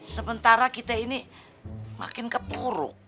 sementara kita ini makin kepuruk